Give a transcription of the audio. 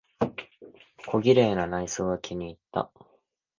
小綺麗な内装は気にいった。